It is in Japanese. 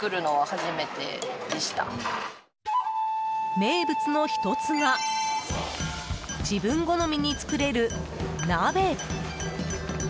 名物の１つが自分好みに作れる鍋。